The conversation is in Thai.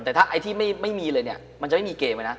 แต่ถ้าไอ้ที่ไม่มีเลยเนี่ยมันจะไม่มีเกมไว้นะ